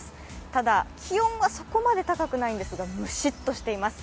ただ、気温はそこまで高くないんですがムシッとしています。